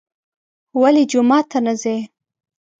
ولې جومات ته نه ځي.